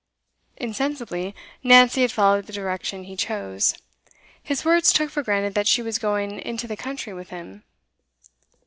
Insensibly, Nancy had followed the direction he chose. His words took for granted that she was going into the country with him.